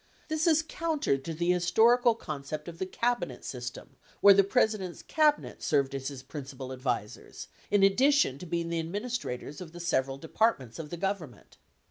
This is counter to the historical concept of the Cabinet system where the President's Cabinet served as his principal advisers, in addition to being the administrators of the several depart ments of the Government.